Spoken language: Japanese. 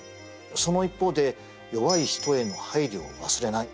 その一方で弱い人への配慮を忘れない。